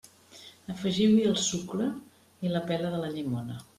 Afegiu-hi el sucre i la pela de la llimona.